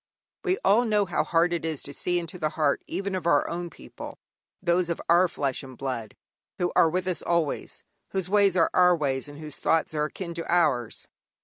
We all know how hard it is to see into the heart even of our own people, those of our flesh and blood who are with us always, whose ways are our ways, and whose thoughts are akin to ours.